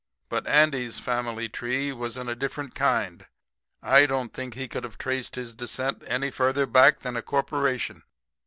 "But Andy's family tree was in different kind. I don't think he could have traced his descent any further back than a corporation.